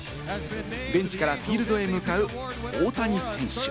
ベンチからフィールドへ向かう大谷選手。